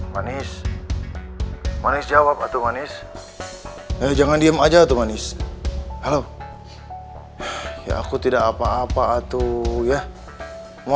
manis manis jawab atau manis jangan diem aja tuh manis halo ya aku tidak apa apa atau ya